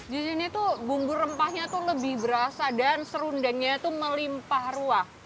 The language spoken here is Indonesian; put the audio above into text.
di sini tuh bumbu rempahnya tuh lebih berasa dan serundengnya tuh melimpah ruah